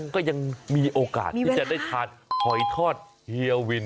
ก็ยังมีโอกาสที่จะได้ทานหอยทอดเฮียวิน